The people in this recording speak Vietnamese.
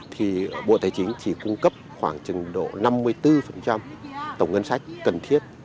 thì bộ tài chính chỉ cung cấp khoảng chừng độ năm mươi bốn tổng ngân sách cần thiết